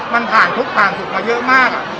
มันผ่านทุกข์ผ่านจุดมาเยอะมาก